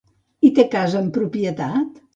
Hi té casa en propietat?